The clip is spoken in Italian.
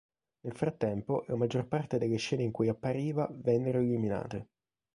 Nel frattempo, la maggior parte delle scene in cui appariva vennero eliminate.